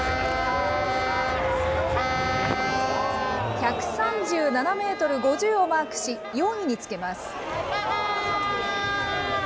１３７メートル５０をマークし、４位につけます。